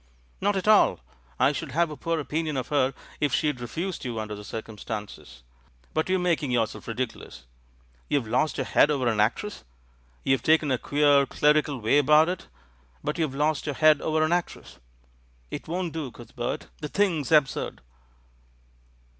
"Not at all; I should have a poor opinion of her if she'd refused you under the circumstances. But you're making yourself ridiculous. You've lost your head over an actress; you've taken a queer, clerical way about it, but you've lost your head over an actress. It won't do, Cuthbert, the thing's absurd."